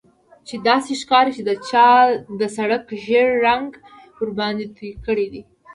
چې داسې ښکاري چا د سړک ژیړ رنګ ورباندې توی کړی دی